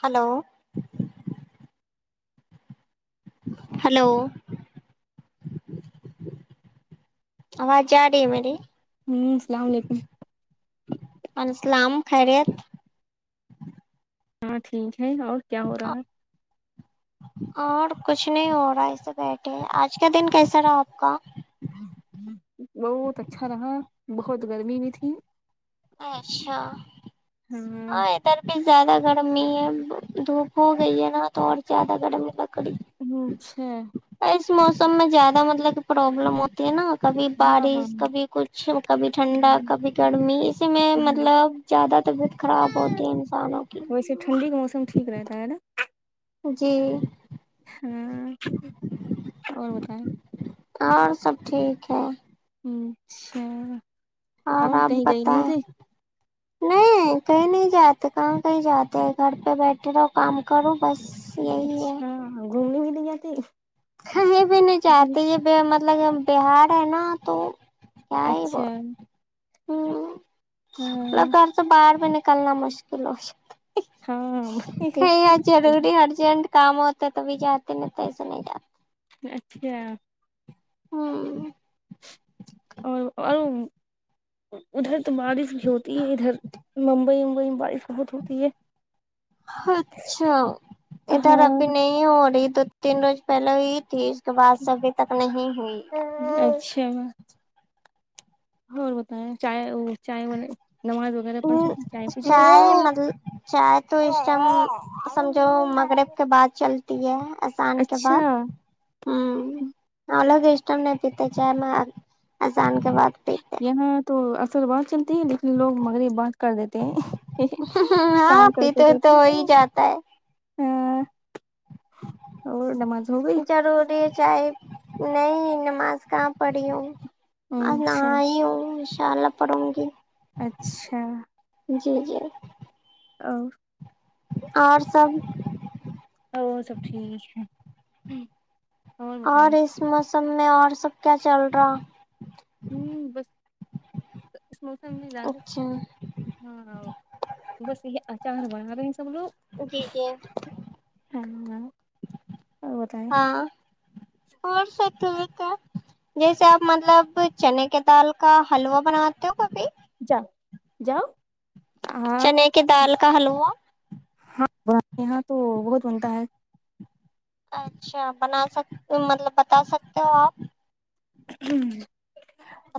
hello hello آواز جا رہی ہے مری ہوں السلام علیکم انسلام خریت ہاں ٹھیک ہے اور کیا ہو رہا ہے اور کچھ نہیں ہو رہا ہے اسے بیٹھے آج کا دن کیسا رہا آپ کا بہت اچھا رہا بہت گرمی بھی تھی اچھا ہاں اور زیادہ گرمی ہے دھوپ ہو گئی ہے نا تو اور زیادہ گرم لگ کڑ [unintelligible] چھ اس موسم میں زیادہ مطلب کہ پروابلم ہوتی ہے نا کبھی ہاں ہاں بارش کبھی کچھ کبھی ٹھنڈا کبھی گرمی اسی میں مطلب زیادہ طبیعت خراب ہوتی ہے انسانوں کی ویسے ٹھنڈی کا موسم ٹھیک رہتا ہے نا جی ہاں اور بتائیں اور سب ٹھیک ہے اچھا اور آپ کہیں گئے نہیں بتائیں تھے نہیں کہیں نہیں جاتے کہاں کہیں جاتے گھر پہ بیٹھے رہو کام کروں بس یہی ہے اچھا گھومنے یا ت کہیں بھی نہیں جاتتے یہ ب ہم مطلب بہار ہے نا تو اچھا ہوں مطلب ہاں گھر سے باہر بھی نک کلنا مشکل ہو ہاں کھ گ چ آڈٹ ارجنٹ کام ہوتا ہے توب جاتے نہیں تو ایسے نہیں جاتے اچھا ہاں اور اور ادھر تو بارش بھی ہوتی ہے ادھر ممبئی ومبئی میں بارش بہت ہوتی ہے اچھا ادھر ہاں ابھی نہیں ہو رہی دو تین روز پہلے ہوئی تھی اس کے بعد سے ابھی تک نہیں ہو جچھ میںا اور بتائیں چائے چائے بنے ہ چائے مط چائے تو اس ٹائم سمجھو مغرب کے بعد چل اتی ہے آسان کے اچھا بعد ہگ پیتے کے بعد پیتے یہاں تو سل بات چلتی ہے لیکن لوگ مگر یہ بات کر دیتے ہیں ہاں کام کرتے پیتے تو کرتے ہو ہی جاتا ہاں اور نماز ہو گئی روری جائے نہیں نماز کہاں پڑھی ہوں آ اچھا ن چالا پڑوں گی اچھا جی جی ا [inaudible] اور سب وہ سب ٹھیک ہے اور ریسمس سب میں اور سب کیا چل رہا تو اس موسم میں زیادہ سے کچھ اچھا ہاں بس یہ اچ چار ب بول جی جی ہ اور بتائ تو ہے جیسے آپ مطلب چنے کی دال کا حلوا بناتے ہو کبھی جاؤ جاؤ چنے کی دال کہلو وہ ہاں یہاں تو بہت بنتا ہے اچھا بنا سک مطلب بتا سکتے ہو آپ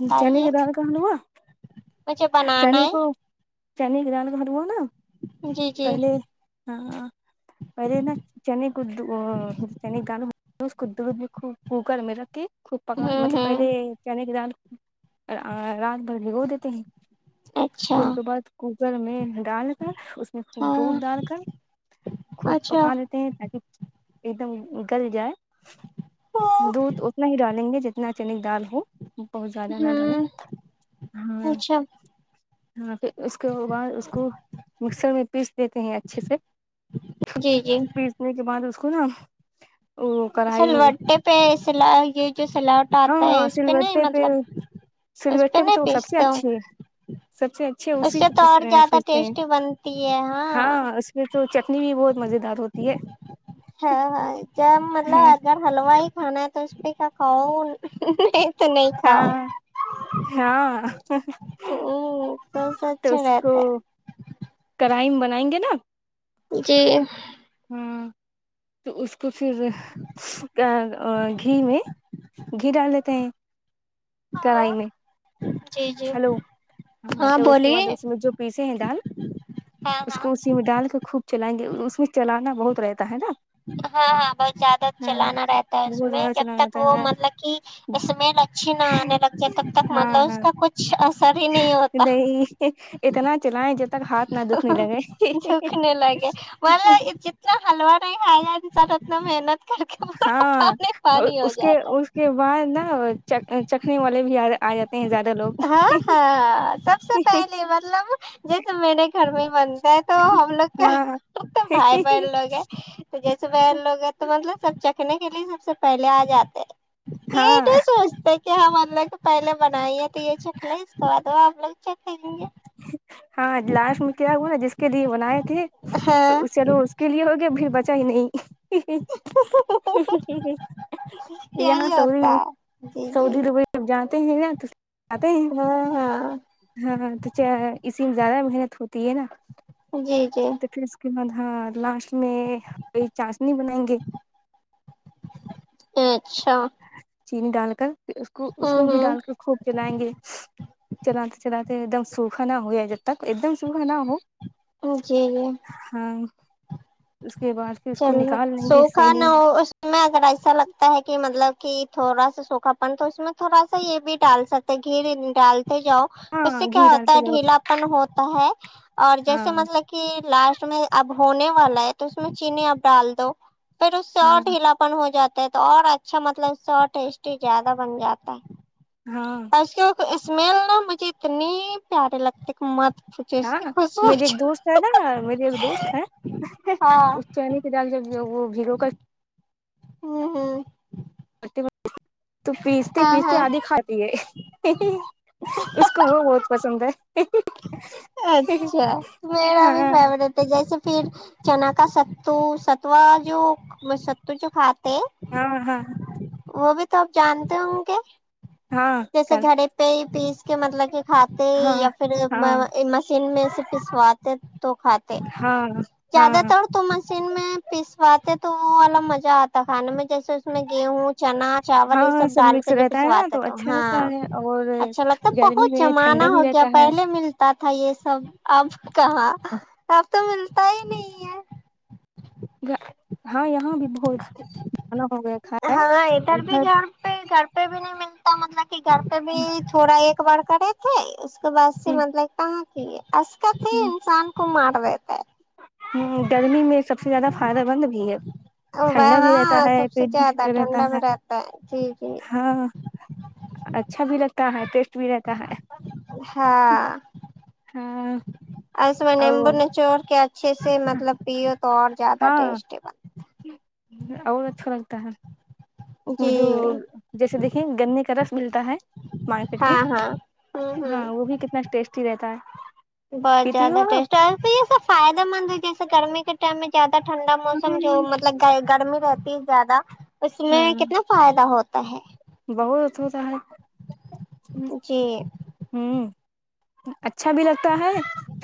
ہ چنے کے دان کہاں لا مجھے بنانا ہے چین گ نان ہرو نا جی جی پہلے ہ پہلے نا چنے کو چ گانا تس کد دیکھو کوکر میں رکھھی [unintelligible] خوب پکان ہوں مطلب ہوں پہلے چنے کی دال [unintelligible] رات بھر بھیھگو دیتے ہیں اچھا پھر کے بعد کو [unintelligible] ر میں ڈال کر [unintelligible] خوب ہاں دودھ ڈال کر خوب اچھا پکا لیتے ہیں تاکہ ایک دم گل جائے دودھ اتنا ہی ڈالیں گے جتنا اتنا چنی دال ہو بہت زیادہ نہ رہ نے ہوں ہاں اچھا [unintelligible] ہاں پھر اس کے بعد اس کو مکسر میں [unintelligible] پیس دیتے ہیں اچھے سے جی جی پیسنے کے بعد اس کونا [unintelligible] سلوٹے پہ س یہ جو سلاوٹ آتا ہے ہاں اس پہ نہیں سلوٹے مطلب اس پہ سلوٹے نہیں تو سب سے پیستا ہوں اچھی ہے سب سے اچھے اس اسی سے پہ تو اور زیادہ پیستے ہیں ٹیسٹی بنتی ہے ہاں اس میں تو چٹنی بھی بہت مزے دار ہوتی ہے ہاں ہاں ج مطلب اگر ہلوا ہی کھانا ہے تو اس بھی کا کان نہیں تو نہیں کھاؤ ہاں ہاں ہ سس تو اچھا اس کو رہتا ہے کڑھائی میں بنائیں گے نا جی ہاں تو اس تو پھر گھی میں گھی ڈال لیتے ہیں کرائی میں جی جی [unintelligible] ہلو ہاں تو اس کے بعد اس میں جو پیسے ہیں دال ہاں اس ہاں کو اسی میں ڈال کر خوب چلائیں گے اس میں چلانا بہت رہیتا ہے نا ہاں ہاں بہت زیادہ ہاں چلانا رہتا ہے اس بہت میں زیادہ جب چلانا تک رہتا وہ ہے مطلب کہ اسمیل اچھی نہ آنے لگتی تب تک مطلب ہاں اس ہاں کا کچھ اثر ہی نہیں ہوتا نہیں اتنا چلائ جتنا جکنے لگے مطلب جتنا حلوا نہیں کائے گا چل نہ محنت [unintelligible] پورا ہاں پانی پانی ہو اس کے جاتا اس کے بعد نا چکھنی [unintelligible] ہاں ہاں سب سے پہلے مطلب جیسے میرے گھر میں ہی بنتے ہے تو ہم لوگ کا ہاں تو بھائی بہن لوگ ہیں تو جیسے بن لوگ ہیں تو مطلب سب چ دیکھنے کے لیے سب سے پہلے آ جاتے ہیں یہٹ ہاں سوچتے کہ ہم [unintelligible] پہلے بنائییا تھی یہ چکلے اس کے بعد وہ ہم لوگ چکھے گے ہاں لاسٹ میں کیا ہوا نا جس کے لیے بناائے تھے ہاں چلو اس کے لیے ہوگیا پھر بچا ہی نہیں یہی یہاں سعودی ہوتا ہے جی جی [unintelligible] اب ہاں ہاں ہاں اسی میں زیادہ محنت ہوتی ہے نا جی جی تو پھر اس کے بعد ہاں لاسٹ اس میں کوئی چاسنی بنائیں گے اچھا چینی ڈال کر ھر اس کو اس کو ہوں بھی ہوں ڈال کے خوب جلائیں گے چلاتے چلاتے [unintelligible] سوکھا نہ ہویا جب تک ایک دم سوکھا نہ ہو جی جی ہاں اس کے بعد پھر اس کو چلو نکال لیں گے سوکھا سینی نا میں اس میں اگر ایسا لگتا ہے کہ مطلب کہ تھوڑا سا سوکھا پن تو اس میں تھوڑا سا یہ بھی ڈال سکتے گھی ڈال جاؤ اس ہاں سے کیا گھی ہوتا ڈالتے ہے جاؤ ڈھیلاپن ہوتا ہے [unintelligible] اور ہاں جیسے مطلب کہ لاسٹ میں اب ہونے والا ہے تو اس میں چینی اب ڈال دو پھر اس سے اور ہاں ڈھیلا پن ہو جاتا ہے تو اور اچھا مطلب اس سے اور ٹیسٹی زیادہ بن جاتا ہے ہاں اور اس کی اسمیل نا مجھے اتنی پیاری لگتی کہ مت پوچھو اس کی ہاں خوشبو میری ایک دوست ہے نا میری ایک دوست ہے ہاں اس چین کے جال جب وہ بھیڑو کا ہوں ہوں [unintelligible] تو پیستے ہاں پیستے ہاں آدھھی کھاتی ہے اس کو وہ بہت پسند ہے [inaudible] اچھا میرا ہاں بھی فیوریٹ ہے جیسے پھر چنا کا ستو ستوا جو ستو جو کھاتے ہاں ہاں وہ بھی تو آپ جانتے ہوں گے ہاں جیسے چل گھڑے پہ ہی پیس کے مطلب کہ کھاتے ہاں یا پھر ہاں مشین میں سے پسواتے تو کھاتے ہاں زیادہ ہاں تر تو مشین میں پسواتے تو وہ والا مزہ آتا کھانے میں جیسے اس میں گیہوں چنا چاول یہ سب ہاں ڈال مکس کر جو رہتا ہے نا پسواتا تو اچھا ہاں لگتا ہے اور اچھا لگتا بہت گرمی میں زمانہ ٹھنڈا ہو بھی گیا رہتا ہے پہلے ملتا تھا تھا یہ سب اب کہاں آپ تو ملتا ہی نہیں ہے ہاں یہاں بھی بہت کانا ہو گیا کھائے ہے ہاں اور ادھر بھی گھر [inaudible] پہ گھر پہ بھی نہیں ملتا مطلب گھر میں بھی تھوڑا ایک بار کڑے تھے اس [inaudible] صباح سے مطلب کہاں جی [unintelligible] عسکت ہی انسان کو مار [inaudible] سبت ہے [inaudible] ہ گرمی میں سب سے زیادہ فائدہ مند ہے ٹھنڈا بھی رہتا وہاں ہے سب سے پیٹ بھی زیادہ ٹھنڈا رہتا میں ہے رہتا ہے جی جی ہاں اچھا بھی لگتا اں [unintelligible] بھی رہتا ہے ہاں ہاں اس میں نمبو اور نچوڑ کے اچھے سے مطلب پی تو اور زیادہ ہاں ٹیسٹی بنتا اور اچھا لگتا ہے بن وہ جی جو جیسے دیکھیں گنے کا رس ملتا ہے مارکیٹ میں ہاں ہاں ہوں ہوں ہاں وہ بھی کتنا ٹیسٹی رہتا ہے بہت پیتی ہو زیادہ ٹیسٹ ہے یہ سب فائدہ مند ہے جیسے گرمی کے ٹائم میں زیادہ ٹھنڈا آپ موسم جو مطلب گرمی میں زیادہ اس میں ہاں کتنا فائدہ ہوتا کہ بہت ہوتا ہے جی ہوں ہ اچھا بھی لگتا ہے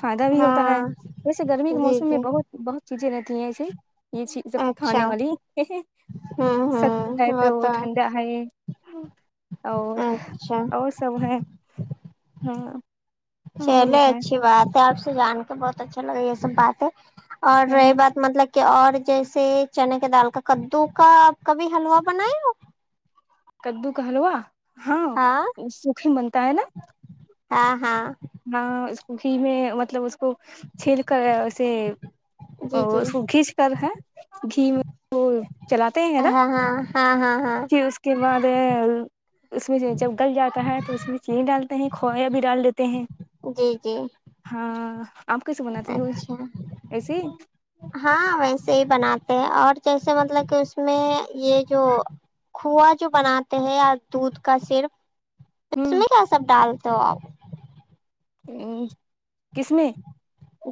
فائدہ بھی ہوتا ہے ہاں جیسے گرمی کے جی موسم میں جی بہت بہت کیھے نہیں یہسے یہ چیزب کھانے اچھا والی ہوں س ہوں ہے وہ تو ٹھنڈا ہے اور اچھا اور سب ہیں ہاں ہ اور چلے بتائیں اچھی بات ہے آپ جان کے بہت اچھا لگا یہ سب بات ہے اور رہی بات مطلب کہ اور جیسے چنے کی دال کا کدو کا آپ کبھی حلوا بنائے ہو کدو کہلو ہاں سکھی بند ت ہے نا ہاں ہاں کوکھی میں مطلب اس کو چھیل کر اسے جی جی اس کو کھیچ کر ہے گھی میں وہ چلاتے ہیں نا ہاں ہاں ہاں ہاں ہاں پھر اس کے بعد اس میں سے جب گل جاتا ہے تو اس میں چینی ڈالتے ہیں کویا بھی ڈال دیتے ہیں جی جی ہاں آپ کیسے بناتی ہو اچھا ایسے ہاں ویسے ہی بنات اور جیسے مطلب کہ اس میں یہ جو کھووا جو بناتے ہیں دودھ کا صرف تو اس ہوں میں کیا سب ڈال تو آپ ہ کس میں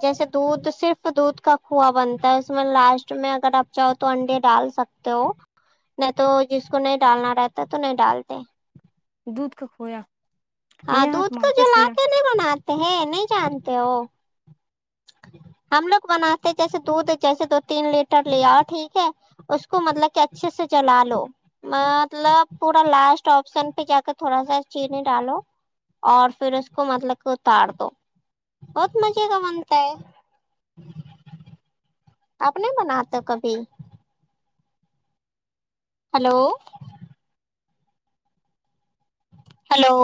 جیسے دودھ صرف دودھ کا کوو بنتا ہے اس میں لاسٹ میں اگر آپ چاہو تو انڈے ڈال سکتے ہو نہیں تو جس کو نہیں ڈالنا رہتا تو نہیں ڈالتے دودھ کا کھویا ہاں یہاں دود کا جو مارکیٹ ل آ سے کےنے بناار ہے نہیں جانتے ہو ہم لوگ بناتے جیسے دودھ جیسے دو تین لیٹر لے آؤ ٹھیک ہے اس کو مطلب کہ اچھے سے جلا لو مطلب پورا لاسٹ آپشن پہ جا کے تھوڑا سا چینی ڈالو اور پھر اس کو مطلب کہ اتار دو بہت مزے کا ت آپ نہیں مناتا کبھی ہلو ہیلو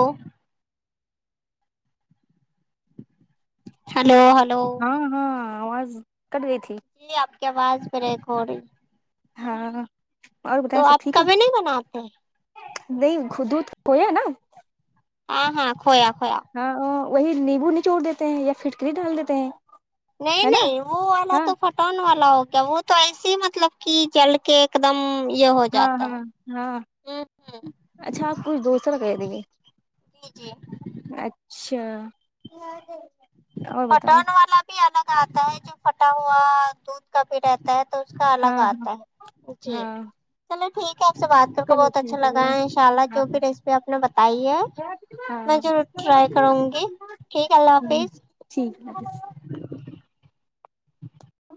ہیلو ہلو ہاں ہاں آواز کٹ گئی تھی جی آپ آواز بریک ہو رہی ہاں اور تو بتائیں سب آپ ٹھیک ہے کبھی نہیں بناتے نہیں خودود ہو ہے نا ہاں ہاں کویا کویا ہاں وہی نیبو نچوڑ دیتے ہیں یا پھٹکری ڈال دیتے ہیں نہیں ہے نا نہیں وہ والا ہاں تو پٹان والا ہوگا وہ تو ایسیے ہی مطلب کہ جل کے ایک دم یہ ہو ہاں جاتا ہاں ہاں ہے ہوں ہوں اچھا کچھ دوسرا [inaudible] جی جی اچھا [inaudible] بتائیں پٹن والا بھی ہے نا آتا ہے جو پھٹا ہوا دودھ کا بھی رہتا ہے تو اس کا الگ ہاں ہاں آتا ہے جی ہاں چلو ٹھیک ہے آپ سے بات کر کے چلو بہت اچھا ٹھیک لگا ہے ان شاء اللہ ہاں جو بھی ریسیپی آپ نے بتائی ہے ہاں میں ضرور ٹرائی کروں گی ٹھیک اللہ حافظ ٹھیک ہےس [inaudible] [inaudible]